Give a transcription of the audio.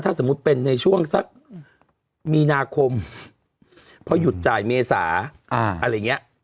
ถ้าสมมุติเป็นในช่วงสักมีนาคมพอหยุดจ่ายเมษาอะไรอย่างนี้